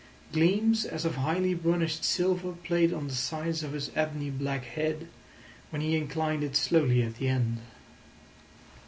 Gleams as of highly burnished silver played on the sides of his ebony black head when he inclined it slowly at the end.